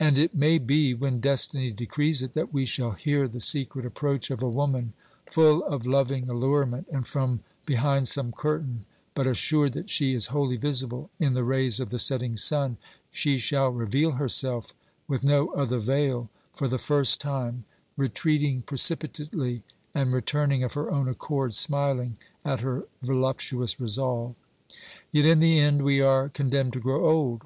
And it may be, when destiny decrees it, that we shall hear the secret approach of a woman full of loving allure 2 c 402 OBERMANN ment, and from behind some curtain, but assured that she is wholly visible, in the rays of the setting sun, she shall reveal herself with no other veil, for the first time, retreat ing precipitately and returning of her own accord, smiling at her voluptuous resolve. Yet in the end we are con demned to grow old.